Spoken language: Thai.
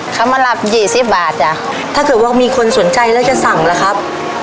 เขามารับยี่สิบบาทจ้ะถ้าเกิดว่ามีคนสนใจแล้วจะสั่งล่ะครับ